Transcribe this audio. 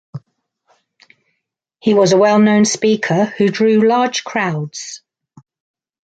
He was a well-known speaker who drew large crowds.